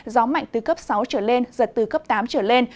gió mạnh từ cấp sáu trở lên giật từ cấp tám trở lên